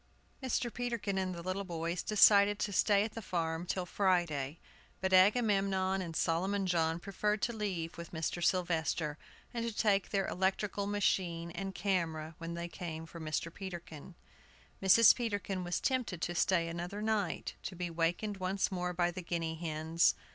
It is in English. Mr. Peterkin and the little boys decided to stay at the farm till Friday. But Agamemnon and Solomon John preferred to leave with Mr. Sylvester, and to take their electrical machine and camera when they came for Mr. Peterkin. Mrs. Peterkin was tempted to stay another night, to be wakened once more by the guinea hens.